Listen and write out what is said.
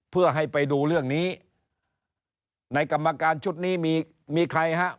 เพื่อให้ไปดูเรื่องนี้ในกรรมการชุดนี้มีมีใครฮะ